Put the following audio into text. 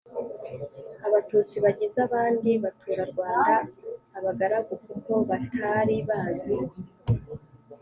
abatutsi bagize abandi baturarwanda abagaragu kuko batari bazi